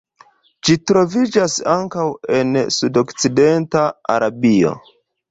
Ĝi troviĝas ankaŭ en sudokcidenta Arabio.